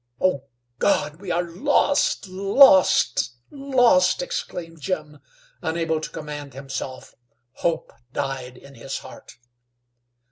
"Oh, God! We are lost! Lost! Lost!" exclaimed Jim, unable to command himself. Hope died in his heart.